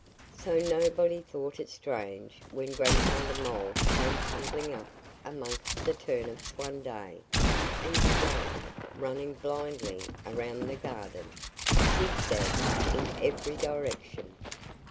So nobody thought it strange when Grandfather Mole came tumbling up amongst the turnips one day and began running blindly around the garden, zig zagging in every direction.